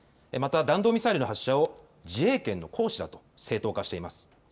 弾道ミサイルの発射を自衛権の行使だと正当化しています。